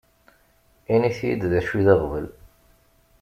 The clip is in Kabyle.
Init-yi-d d acu i d aɣbel.